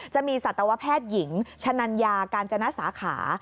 สัตวแพทย์หญิงชะนัญญากาญจนสาขา